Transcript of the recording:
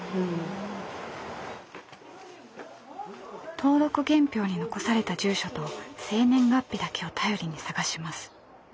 登録原票に残された住所と生年月日だけを頼りに探します。